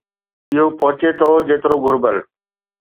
اهو پهچي ٿو جيترو گهربل